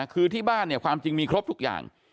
คือที่บ้านเนี่ยความจริงมีครบทุกอย่าง